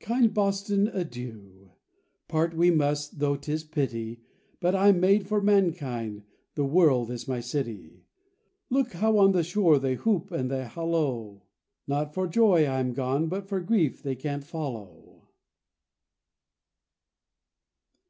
"Kind Boston, adieu! part we must, though 'tis pity, But I'm made for mankind: the world is my city. Look how on the shore they whoop and they holloa, Not for joy I am gone, but for grief they can't follow."